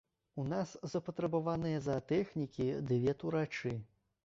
У нас запатрабаваныя заатэхнікі ды ветурачы.